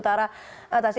terima kasih pak